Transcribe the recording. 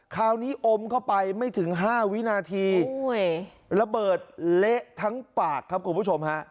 อมเข้าไปไม่ถึง๕วินาทีระเบิดเละทั้งปากครับคุณผู้ชมฮะ